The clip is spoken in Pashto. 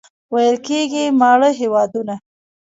ویل کېږي ماړه هېوادونه.